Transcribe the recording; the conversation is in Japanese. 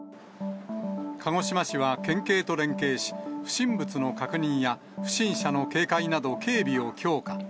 鹿児島市は県警と連携し、不審物の確認や不審者の警戒など警備を強化。